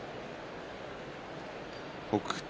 北勝